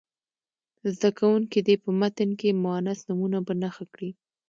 زده کوونکي دې په متن کې مونث نومونه په نښه کړي.